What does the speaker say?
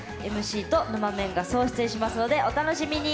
ＭＣとぬまメンが総出演しますのでお楽しみに。